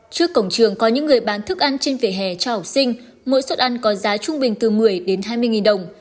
trước cổng trường có những người bán thức ăn trên vỉa hè cho học sinh mỗi suất ăn có giá trung bình từ một mươi đến hai mươi nghìn đồng